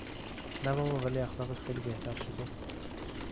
نه بابا ولی اخلاقش خیلی بهتر شده